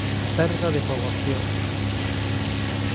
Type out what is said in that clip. Perda de poboación.